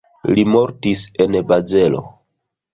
Li mortis en Bazelo.